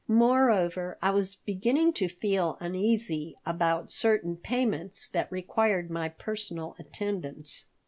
Moreover, I was beginning to feel uneasy about certain payments that required my personal attendance.